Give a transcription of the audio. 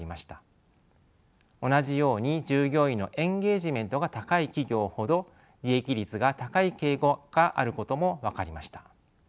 同じように従業員のエンゲージメントが高い企業ほど利益率が高い傾向があることも分かりました。